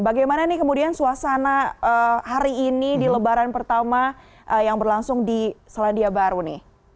bagaimana nih kemudian suasana hari ini di lebaran pertama yang berlangsung di selandia baru nih